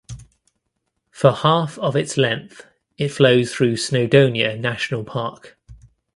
For half of its length it flows through Snowdonia National Park.